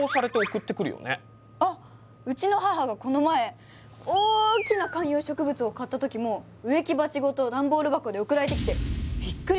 あっうちの母がこの前大きな観葉植物を買った時も植木鉢ごとダンボール箱で送られてきてびっくりしました。